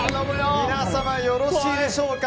皆様よろしいでしょか。